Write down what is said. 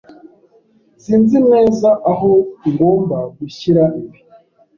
Sinzi neza aho ngomba gushyira ibi.